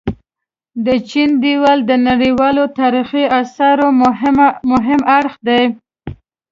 د چين ديوال د نړيوال تاريخي اثارو مهم اړخ دي.